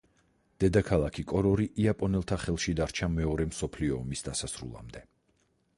დედაქალაქი კორორი იაპონელთა ხელში დარჩა მეორე მსოფლიო ომის დასასრულამდე.